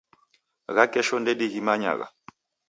Gha kesho ndedighimanyagha.